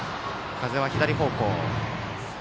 風は左方向。